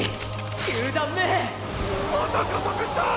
９段目また加速した！